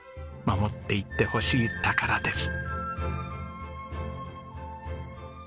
守っていってほしい宝です。